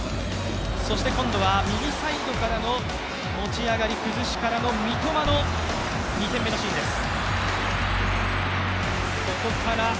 そして今度は右サイドからの持ち上がり、崩しからの三笘の２点目のシーンです。